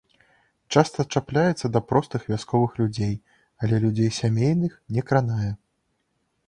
Часта чапляецца да простых вясковых людзей, але людзей сямейных не кранае.